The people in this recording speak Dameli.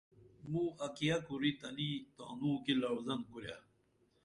موں ا کیہ کُرے تنی تانوں کی لعوزن کُری